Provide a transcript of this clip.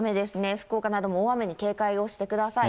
福岡なども大雨に警戒をしてください。